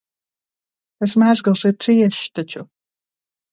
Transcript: Tas mezgls ir ciešs taču.